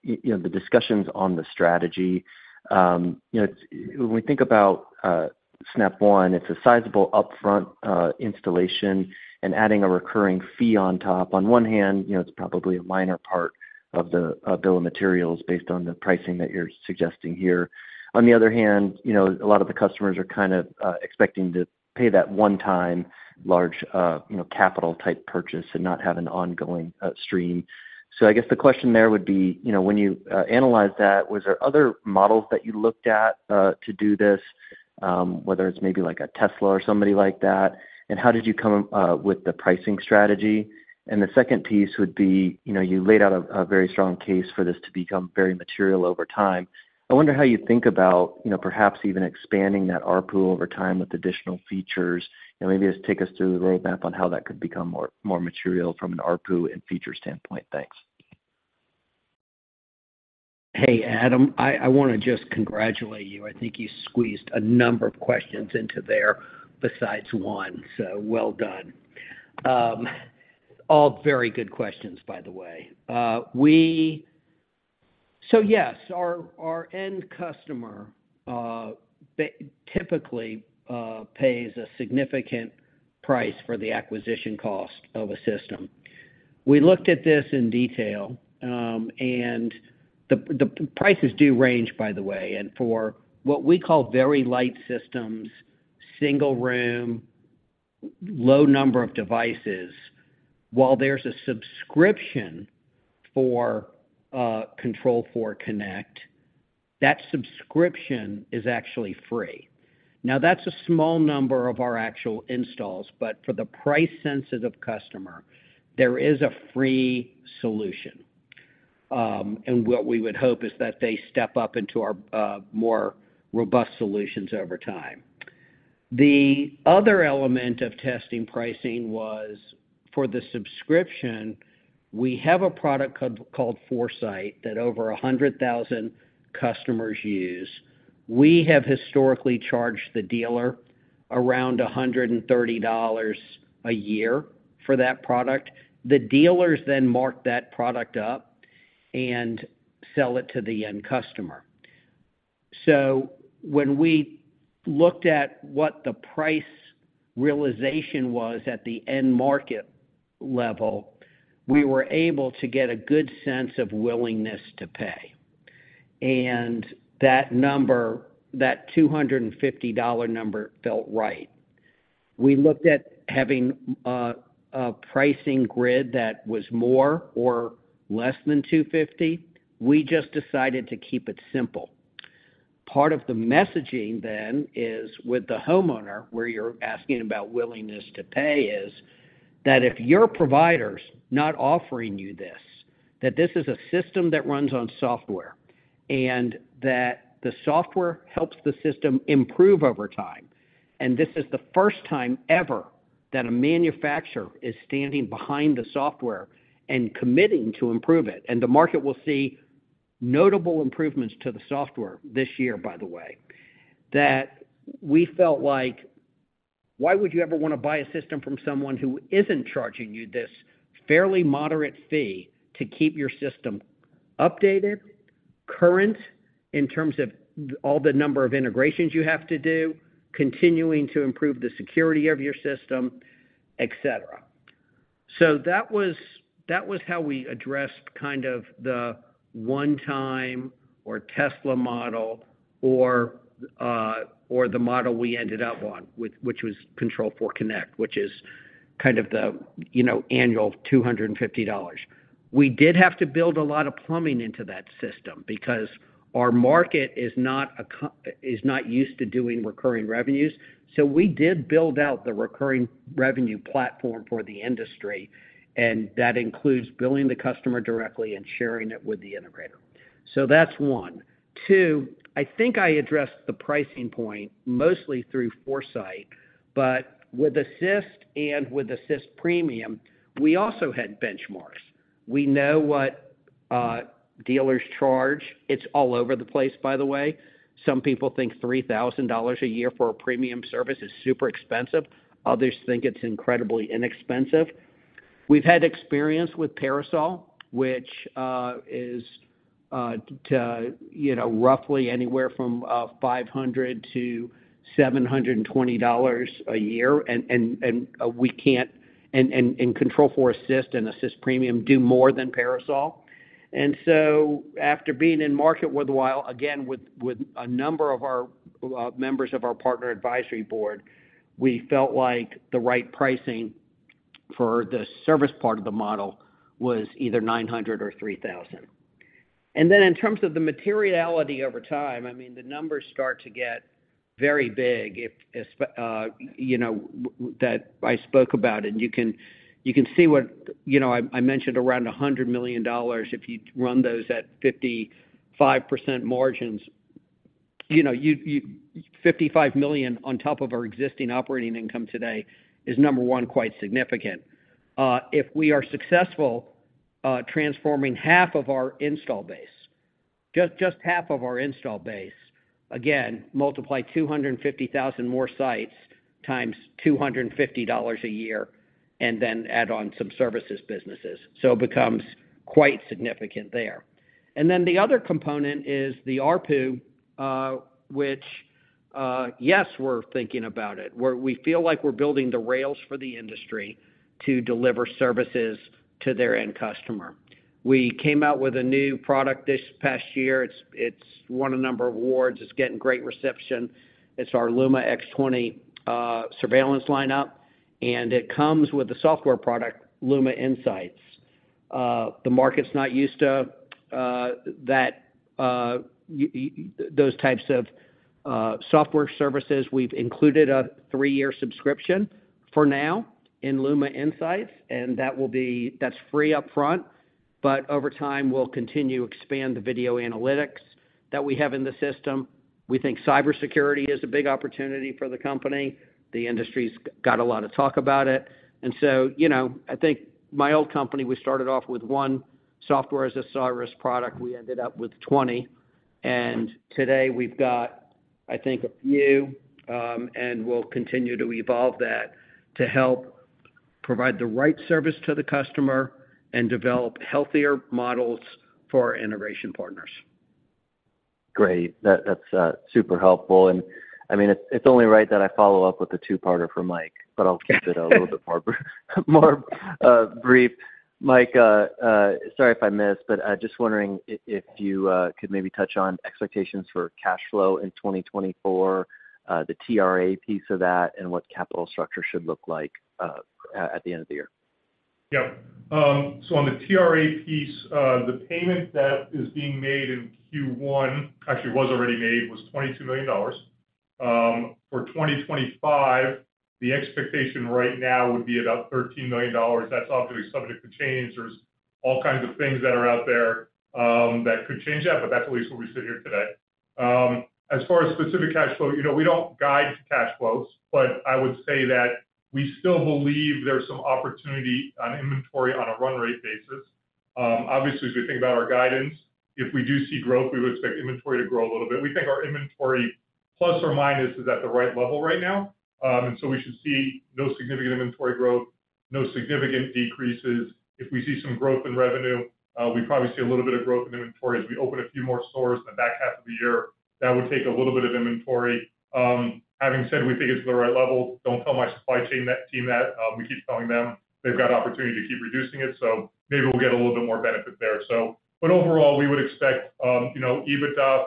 the discussions on the strategy. When we think about Snap One, it's a sizable upfront installation and adding a recurring fee on top. On one hand, it's probably a minor part of the bill of materials based on the pricing that you're suggesting here. On the other hand, a lot of the customers are kind of expecting to pay that one-time large capital-type purchase and not have an ongoing stream. So I guess the question there would be, when you analyzed that, was there other models that you looked at to do this, whether it's maybe like a Tesla or somebody like that? And how did you come up with the pricing strategy? The second piece would be, you laid out a very strong case for this to become very material over time. I wonder how you think about perhaps even expanding that RPU over time with additional features. Maybe just take us through the roadmap on how that could become more material from an RPU and feature standpoint. Thanks. Hey, Adam, I want to just congratulate you. I think you squeezed a number of questions into there besides one. So well done. All very good questions, by the way. So yes, our end customer typically pays a significant price for the acquisition cost of a system. We looked at this in detail. And the prices do range, by the way. And for what we call very light systems, single room, low number of devices, while there's a subscription for Control4 Connect, that subscription is actually free. Now, that's a small number of our actual installs. But for the price-sensitive customer, there is a free solution. And what we would hope is that they step up into our more robust solutions over time. The other element of testing pricing was, for the subscription, we have a product called 4Sight that over 100,000 customers use. We have historically charged the dealer around $130 a year for that product. The dealers then mark that product up and sell it to the end customer. So when we looked at what the price realization was at the end market level, we were able to get a good sense of willingness to pay. And that number, that $250 number, felt right. We looked at having a pricing grid that was more or less than 250. We just decided to keep it simple. Part of the messaging then is with the homeowner where you're asking about willingness to pay is that if your provider's not offering you this, that this is a system that runs on software and that the software helps the system improve over time. And this is the first time ever that a manufacturer is standing behind the software and committing to improve it. And the market will see notable improvements to the software this year, by the way, that we felt like, why would you ever want to buy a system from someone who isn't charging you this fairly moderate fee to keep your system updated, current in terms of all the number of integrations you have to do, continuing to improve the security of your system, etc.? So that was how we addressed kind of the one-time or Tesla model or the model we ended up on, which was Control4 Connect, which is kind of the annual $250. We did have to build a lot of plumbing into that system because our market is not used to doing recurring revenues. So we did build out the recurring revenue platform for the industry. And that includes billing the customer directly and sharing it with the integrator. So that's one. Two, I think I addressed the pricing point mostly through 4Sight. But with Assist and with Assist Premium, we also had benchmarks. We know what dealers charge. It's all over the place, by the way. Some people think $3,000 a year for a premium service is super expensive. Others think it's incredibly inexpensive. We've had experience with Parasol, which is roughly anywhere from $500-$720 a year. And we can't, and Control4 Assist and Assist Premium, do more than Parasol. And so after being in market with a while, again, with a number of our members of our partner advisory board, we felt like the right pricing for the service part of the model was either $900 or $3,000. And then in terms of the materiality over time, I mean, the numbers start to get very big that I spoke about. And you can see what I mentioned, around $100 million if you run those at 55% margins. $55 million on top of our existing operating income today is, number one, quite significant. If we are successful transforming half of our install base, just half of our install base, again, multiply 250,000 more sites times $250 a year and then add on some services businesses, so it becomes quite significant there. Then the other component is the RPU, which, yes, we're thinking about it. We feel like we're building the rails for the industry to deliver services to their end customer. We came out with a new product this past year. It's won a number of awards. It's getting great reception. It's our Luma X20 surveillance lineup. And it comes with the software product, Luma Insights. The market's not used to those types of software services. We've included a three-year subscription for now in Luma Insights. And that's free upfront. But over time, we'll continue to expand the video analytics that we have in the system. We think cybersecurity is a big opportunity for the company. The industry's got a lot of talk about it. And so I think my old company, we started off with one software as a service product. We ended up with 20. And today, we've got, I think, a few. And we'll continue to evolve that to help provide the right service to the customer and develop healthier models for our integration partners. Great. That's super helpful. And I mean, it's only right that I follow up with the two-parter from Mike. But I'll keep it a little bit more brief. Mike, sorry if I missed. But just wondering if you could maybe touch on expectations for cash flow in 2024, the TRA piece of that, and what capital structure should look like at the end of the year. Yep. So on the TRA piece, the payment that is being made in Q1 actually, it was already made, was $22 million. For 2025, the expectation right now would be about $13 million. That's obviously subject to change. There's all kinds of things that are out there that could change that. But that's at least where we sit here today. As far as specific cash flow, we don't guide cash flows. But I would say that we still believe there's some opportunity on inventory on a run-rate basis. Obviously, as we think about our guidance, if we do see growth, we would expect inventory to grow a little bit. We think our inventory, plus or minus, is at the right level right now. And so we should see no significant inventory growth, no significant decreases. If we see some growth in revenue, we'd probably see a little bit of growth in inventory as we open a few more stores in the back half of the year. That would take a little bit of inventory. Having said, we think it's at the right level. Don't tell my supply chain team that. We keep telling them. They've got opportunity to keep reducing it. So maybe we'll get a little bit more benefit there, so. But overall, we would expect EBITDA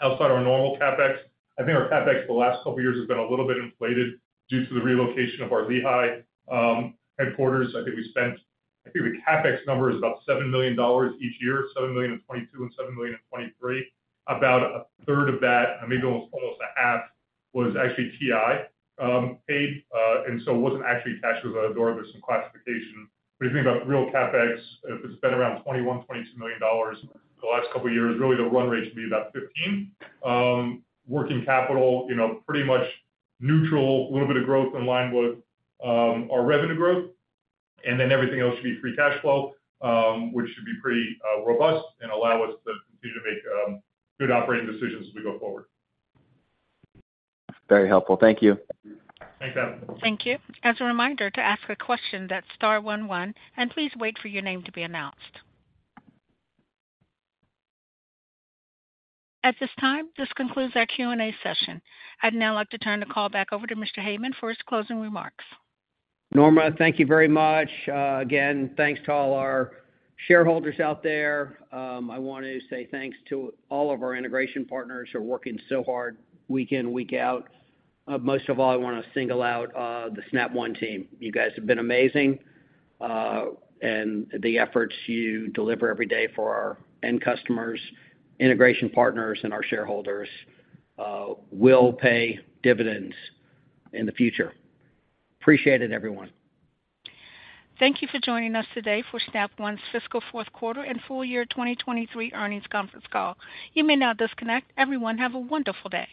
outside our normal CapEx. I think our CapEx the last couple of years has been a little bit inflated due to the relocation of our Lehi headquarters. I think we spent I think the CapEx number is about $7 million each year, $7 million in 2022 and $7 million in 2023. About a third of that, maybe almost a half, was actually TI paid. And so it wasn't actually cash. It was out of the door. There's some classification. But if you think about real CapEx, if it's been around $21-$22 million the last couple of years, really, the run rate should be about $15 million. Working capital, pretty much neutral, a little bit of growth in line with our revenue growth. And then everything else should be free cash flow, which should be pretty robust and allow us to continue to make good operating decisions as we go forward. Very helpful. Thank you. Thanks, Adam. Thank you. As a reminder, to ask a question, that's star one one. And please wait for your name to be announced. At this time, this concludes our Q&A session. I'd now like to turn the call back over to Mr. Heyman for his closing remarks. Norma, thank you very much. Again, thanks to all our shareholders out there. I want to say thanks to all of our integration partners who are working so hard week in, week out. Most of all, I want to single out the Snap One team. You guys have been amazing. The efforts you deliver every day for our end customers, integration partners, and our shareholders will pay dividends in the future. Appreciate it, everyone. Thank you for joining us today for Snap One's fiscal fourth quarter and full year 2023 earnings conference call. You may now disconnect. Everyone, have a wonderful day.